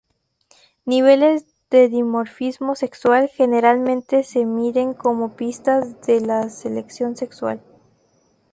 Niveles de dimorfismo sexual generalmente se miren como pistas de la selección sexual.